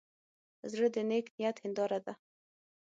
زړه د نیک نیت هنداره ده.